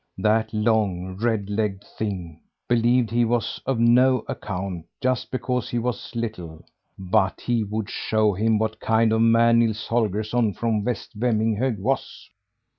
That long, red legged thing believed he was of no account just because he was little; but he would show him what kind of a man Nils Holgersson from West Vemminghög was.